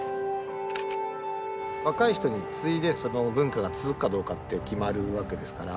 若い人に継いでその文化が続くかどうかって決まるわけですから。